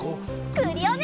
クリオネ！